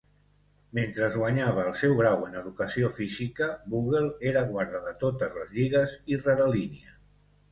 Mentre es guanyava el seu grau en educació física, Bugel era guarda de totes les lligues i rerelínia.